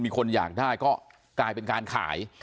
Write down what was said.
มีคนอยากได้ก็กลายเป็นการขาย